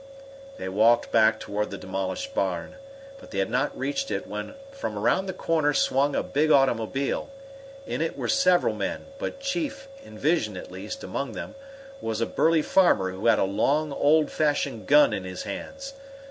They walked back toward the demolished barn. But they had not reached it when from around the corner swung a big automobile. In it were several men, but chief, in vision at least, among them, was a burly farmer who had a long, old fashioned gun in his hands.